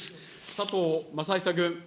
佐藤正久君。